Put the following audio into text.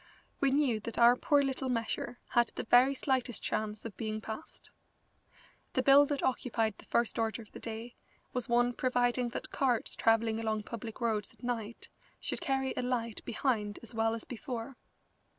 We knew that our poor little measure had the very slightest chance of being passed. The bill that occupied the first order of the day was one providing that carts travelling along public roads at night should carry a light behind as well as before.